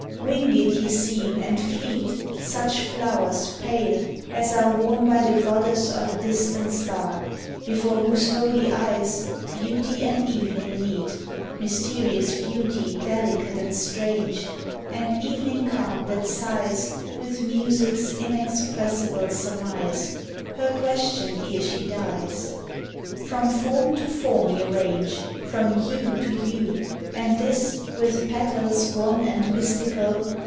Winged ye seem and fleet, 33 'THE HOUSE OF ORCHIDS Such flowers pale as are Worn by the goddess of a distant star — Before whose holy eyes Beauty and evening meet, Mysterious beauty delicate and strange, And evening calm that sighs With Music's inexpressible surmise — Her question ere she dies. From form to form ye range. From hue to hue, And this, with petals wan and mystical.